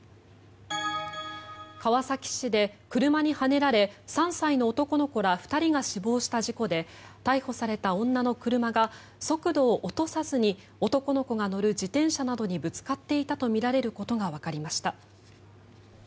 川崎市で車にはねられ３歳の男の子ら２人が死亡した事故で逮捕された女の車が速度を落とさずに男の子が乗る自転車などにぶつかっていたとみられることがわかりました。